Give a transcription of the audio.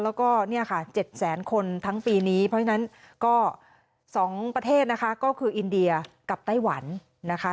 แล้วก็เนี่ยค่ะ๗แสนคนทั้งปีนี้เพราะฉะนั้นก็๒ประเทศนะคะก็คืออินเดียกับไต้หวันนะคะ